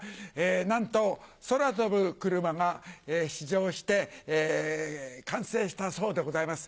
なんと空飛ぶクルマが試乗して完成したそうでございます。